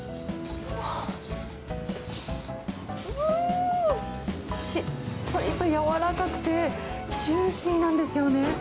うわー、んー、しっとりと柔らかくて、ジューシーなんですよね。